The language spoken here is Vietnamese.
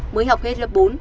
mới học hết lớp bốn